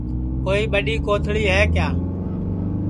کوئی ٻڈؔی کوتھݪی ہے کیا